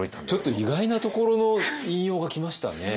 意外なところの引用が来ましたね。